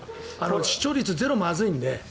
視聴率ゼロはまずいので。